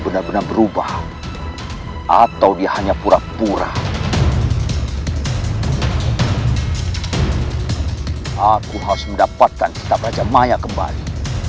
benar benar berubah atau dia hanya pura pura aku harus mendapatkan kitab raja maya kembali